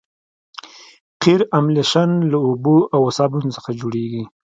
قیر املشن له اوبو او صابون څخه جوړیږي